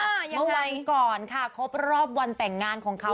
เมื่อวันก่อนค่ะครบรอบวันแต่งงานของเขา